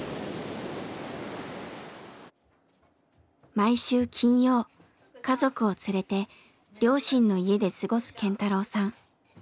毎週金曜家族を連れて両親の家で過ごす健太郎さん。